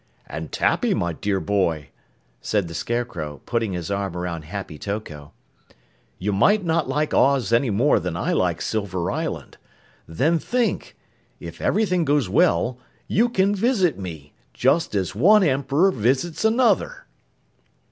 "And Tappy, my dear boy," said the Scarecrow, putting his arm around Happy Toko, "you might not like Oz any more than I like Silver Island. Then think if everything goes well, you can visit me just as one Emperor visits another!"